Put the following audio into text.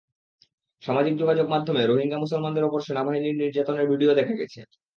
সামাজিক যোগাযোগ মাধ্যমে রোহিঙ্গা মুসলমানদের ওপর সেনাবাহিনীর নির্যাতনের ভিডিও দেখা গেছে।